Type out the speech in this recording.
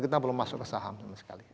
kita belum masuk ke saham sama sekali